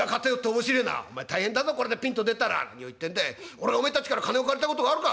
俺がおめえたちから金を借りたことがあるか？」。